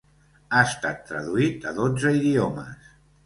Ha estat traduït a dotze idiomes.